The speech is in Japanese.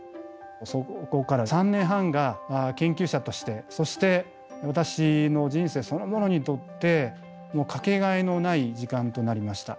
そこから３年半が研究者としてそして私の人生そのものにとって掛けがえのない時間となりました。